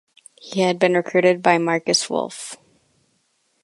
He had been recruited by Markus Wolf.